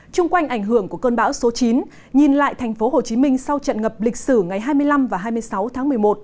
trung quanh ảnh hưởng của cơn bão số chín nhìn lại tp hcm sau trận ngập lịch sử ngày hai mươi năm và hai mươi sáu tháng một mươi một